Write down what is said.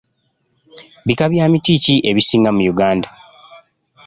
Bika bya miti ki ebisinga mu Uganda?